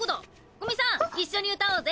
古見さん一緒に歌おうぜ。